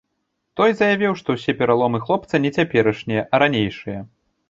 Той заявіў, што ўсе пераломы хлопца не цяперашнія, а ранейшыя.